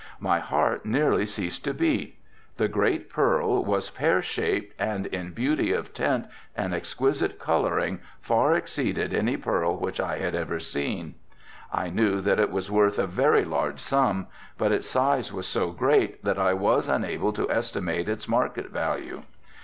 My heart nearly ceased to beat. The great pearl was pear shaped and in beauty of tint and exquisite coloring, far exceeded any pearl which I had ever seen. I knew that it was worth a very large sum, but its size was so great that I was unable to estimate its market value.